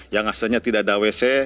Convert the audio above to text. yang asalnya tidak ada wc